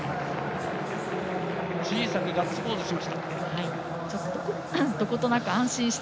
小さくガッツポーズをしました。